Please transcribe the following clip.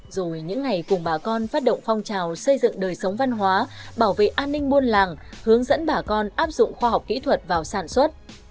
rồi những ngày cùng bà con phát động phong trào xây dựng đời sống văn hóa bảo vệ an ninh buôn làng hướng dẫn bà con áp dụng khoa học kỹ thuật vào sản xuất